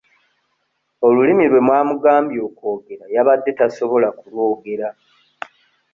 Olulimi lwe mwamugambye okwogera yabadde tasobola kulwogera.